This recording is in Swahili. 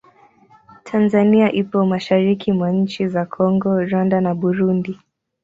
Tanzania ipo mashariki mwa nchi za Kongo, Rwanda na Burundi.